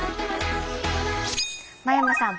真山さん